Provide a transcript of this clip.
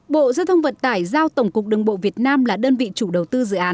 bộ giao thông vận tải giao tổng cục đường bộ việt nam là đơn vị chủ đầu tư dự án